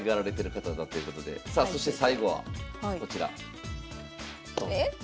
さあそして最後はこちら。